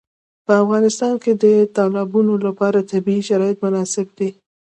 په افغانستان کې د تالابونه لپاره طبیعي شرایط مناسب دي.